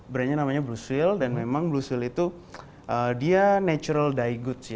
brandnya namanya blue swill dan memang blue swill itu dia natural dye goods